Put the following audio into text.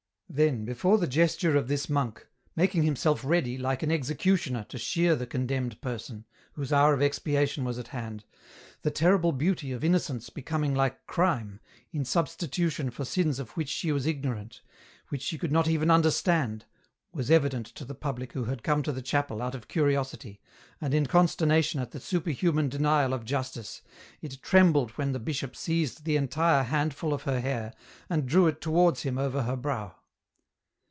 Then before the gesture of this monk, making himself ready, like an executioner, to shear the condemned person, whose hour of expiation was at hand, the terrible beauty of innocence becoming like crime, in substitution for sins of which she was ignorant, which she could not even understand, was evident to the public who had come to the chapel out of curiosity, and in consternation at the superhuman denial of justice, it trembled when the bishop seized the entire handful of her hair, and drew it towards him over her brow.